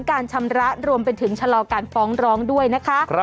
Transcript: การชำระรวมไปถึงชะลอการฟ้องร้องด้วยนะคะ